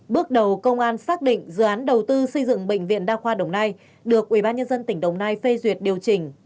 bước đầu công an xác định dự án đầu tư xây dựng bệnh viện đa khoa đồng nai được ubnd tỉnh đồng nai phê duyệt điều chỉnh